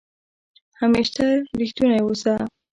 همېشه ریښتونی اوسه